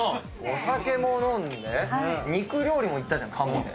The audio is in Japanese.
お酒も飲んで肉料理もいったじゃん鴨で。